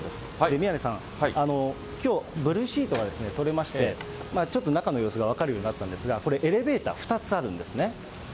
宮根さん、きょう、ブルーシートが取れまして、ちょっと中の様子が分かるようになったんですが、これ、エレベーター２つあるんですね。